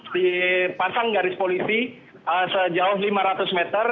dipasang garis polisi sejauh lima ratus meter